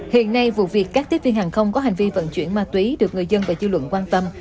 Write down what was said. hiện nay vụ việc các tiếp viên hàng không có hành vi vận chuyển ma túy được người dân và dư luận quan tâm